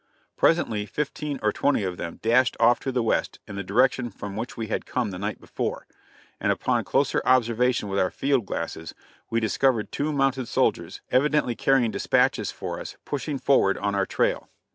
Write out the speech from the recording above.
Presently fifteen or twenty of them dashed off to the west in the direction from which we had come the night before; and upon closer observation with our field glasses, we discovered two mounted soldiers, evidently carrying dispatches for us, pushing forward on our trail.